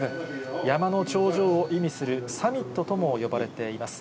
山の頂上を意味するサミットとも呼ばれています。